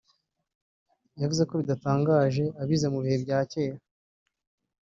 yavuze ko bidatangaje ko abize mu bihe bya kera